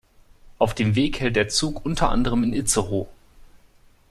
Auf dem Weg hält der Zug unter anderem in Itzehoe.